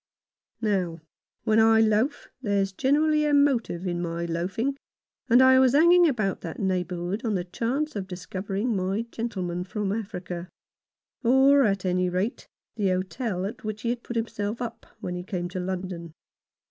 Now, when I loaf there's generally a motive in my loafing, and I was hanging about that neigh bourhood on the chance of discovering my gentle man from Africa — or, at any rate, the hotel at 124 John Faunce's Experiences. No. 29. which he had put up when he came to London.